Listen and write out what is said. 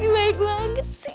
baik banget sih